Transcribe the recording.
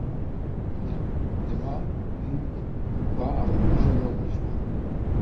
Demà n'Hug va a la Llosa del Bisbe.